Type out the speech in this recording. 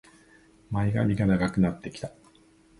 前髪が長くなってきた